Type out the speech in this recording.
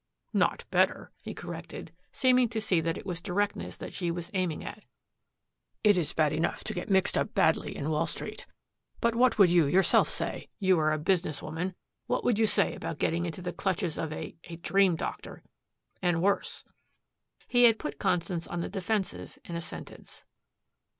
"Not better," he corrected, seeming to see that it was directness that she was aiming at. "It is bad enough to get mixed up badly in Wall Street, but what would you yourself say you are a business woman what would you say about getting into the clutches of a a dream doctor and worse?" He had put Constance on the defensive in a sentence.